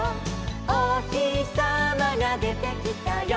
「おひさまがでてきたよ」